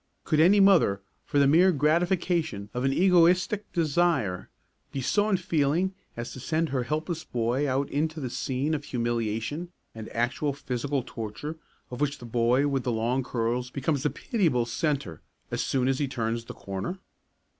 Could any mother, for the mere gratification of an egoistic desire, be so unfeeling as to send her helpless boy out into the scene of humiliation and actual physical torture of which the boy with the long curls becomes the pitiable centre as soon as he turns the corner?